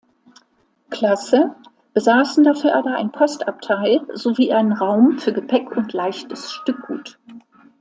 Klasse, besaßen dafür aber ein Postabteil sowie einen Raum für Gepäck und leichtes Stückgut.